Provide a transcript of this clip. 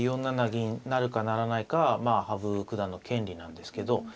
４七銀成るか成らないかは羽生九段の権利なんですけど。